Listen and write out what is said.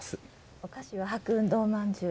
お菓子は白雲洞まんじゅう。